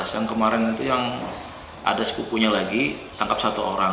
yang kemarin itu yang ada sepupunya lagi tangkap satu orang